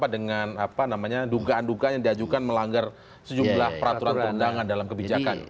dengan dugaan dugaan yang diajukan melanggar sejumlah peraturan perundangan dalam kebijakan